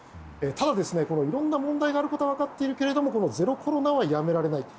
ただ、いろんな問題があることが分かっているけどゼロコロナはやめられないと。